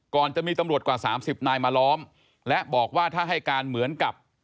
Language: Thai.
จะมีตำรวจกว่าสามสิบนายมาล้อมและบอกว่าถ้าให้การเหมือนกับ